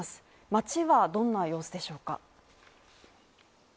街はどんな様子でしょうか。